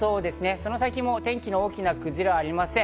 その先も天気の大きな崩れはありません。